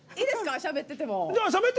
しゃべってても。